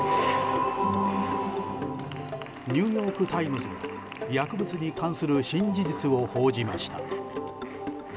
ニューヨーク・タイムズが薬物に関する新事実を報じました。